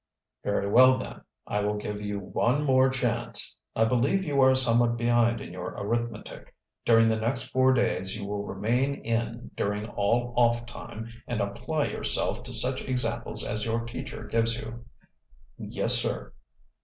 "Very well then, I will give you one more chance. I believe you are somewhat behind in your arithmetic. During the next four days you will remain in during all off time and apply yourself to such examples as your teacher gives you." "Yes, sir."